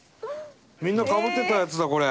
みんなかぶってたやつだこれ。